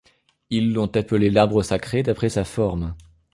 Ils l’ont appelé l’Arbre Sacré d’après sa forme.